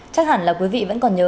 chắc hẳn là quý vị vẫn còn nhớ